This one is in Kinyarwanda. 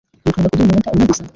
Wifuza kuduha umunota umwe gusa?